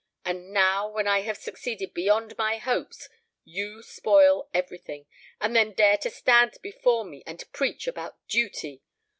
And now, when I have succeeded beyond my hopes, you spoil everything, and then dare to stand before me and preach about duty.